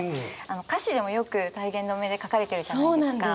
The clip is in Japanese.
歌詞でもよく体言止めで書かれてるじゃないですか。